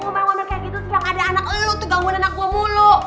tidak ada anak lu tuh gangguin anak gue mulu